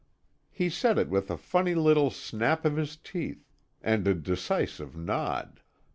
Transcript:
He said it with a funny little snap of his teeth, and a decisive nod.